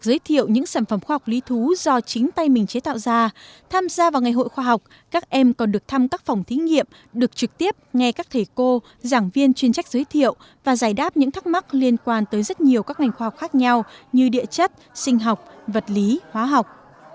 giới thiệu những sản phẩm khoa học lý thú do chính tay mình chế tạo ra tham gia vào ngày hội khoa học các em còn được thăm các phòng thí nghiệm được trực tiếp nghe các thầy cô giảng viên chuyên trách giới thiệu và giải đáp những thắc mắc liên quan tới rất nhiều các ngành khoa học khác nhau như địa chất sinh học vật lý hóa học